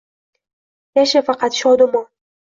Yasha faqat shodumon.